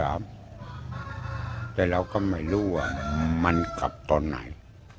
มาสี่กลับสามแต่เราก็ไม่รู้ว่ามันกลับตอนไหน